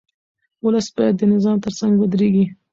ولس باید د نظام ترڅنګ ودرېږي.